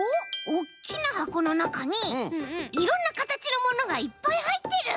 おっきなはこのなかにいろんなかたちのものがいっぱいはいってる。